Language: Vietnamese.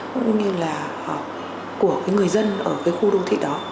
cũng như là của người dân ở khu đô thị đó